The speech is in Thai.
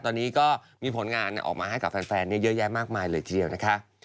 ตอนนี้ก็มีผลงานออกมาให้กับแฟนเยอะแยะมากมายเลยทีเดียวนะคะ